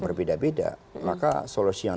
berbeda beda maka solusi yang